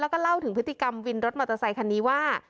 แล้วก็เล่าถึงพฤติกรรมวินรถมอเตอร์ไซคันนี้ว่า